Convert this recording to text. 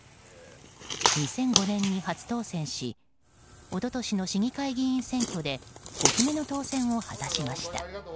２００５年に初当選し一昨年の市議会議員選挙で５期目の当選を果たしました。